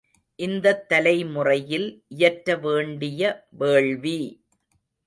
இந்தத் தலைமுறையில் இயற்ற வேண்டிய வேள்வி!